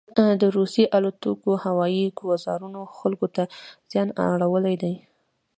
دروسیې الوتکوهوایي ګوزارونوخلکو ته زیان اړولی دی.